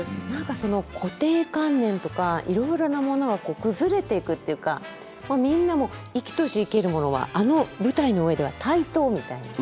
何かその固定観念とかいろいろなものが崩れていくっていうかみんな生きとし生けるものはあの舞台の上では対等みたいな。